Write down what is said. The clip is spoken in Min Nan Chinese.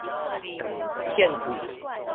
獻血